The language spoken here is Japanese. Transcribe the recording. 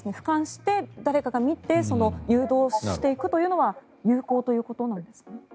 俯瞰して誰かが見て誘導していくというのは有効ということなんですね。